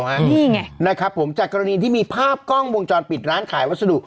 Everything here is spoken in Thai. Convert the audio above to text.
นี่ไงนะครับผมจากกรณีที่มีภาพกล้องวงจรปิดร้านขายวัสดุ